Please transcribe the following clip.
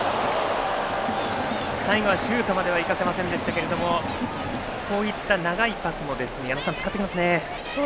最後はシュートまではいかせませんでしたがああいった長いパスも矢野さん、使ってきますね。